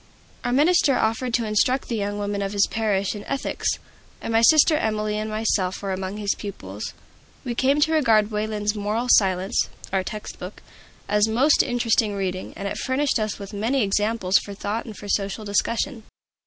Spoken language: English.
Our minister offered to instruct the young people of his parish in ethics, and my sister Emilie and myself were among his pupils. We came to regard Wayland's "Moral Science" (our text book) as most interesting reading, and it furnished us with many subjects for thought and for social discussion.